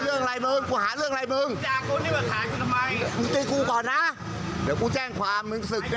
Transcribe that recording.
มึงจัดกูก่อนนะเดี๋ยวกูแจ้งความมึงสึกแน่